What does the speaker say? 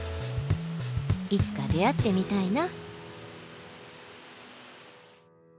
いつか出会ってみたいな。